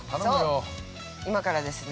◆そう、今からですね